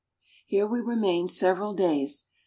Here we remain several days.